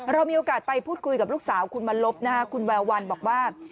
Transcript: เรามีโอกาสไปพูดคุยกับลูกสาวคุณวันลบนะฮะคุณแวววันบอกว่า